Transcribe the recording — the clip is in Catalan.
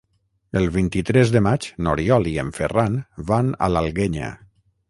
El vint-i-tres de maig n'Oriol i en Ferran van a l'Alguenya.